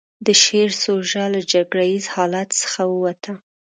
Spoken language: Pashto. د شعر سوژه له جګړه ييز حالت څخه ووته.